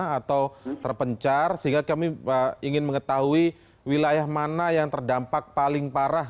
atau terpencar sehingga kami ingin mengetahui wilayah mana yang terdampak paling parah